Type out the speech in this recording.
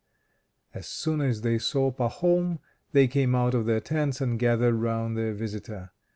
As soon as they saw Pahom, they came out of their tents and gathered round their visitor.